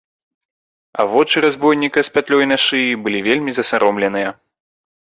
А вочы разбойніка з пятлёй на шыі былі вельмі засаромленыя.